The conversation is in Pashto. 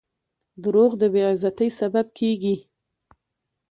• دروغ د بې عزتۍ سبب کیږي.